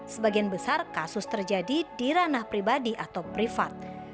sebagian besar kasus terjadi di ranah pribadi atau privat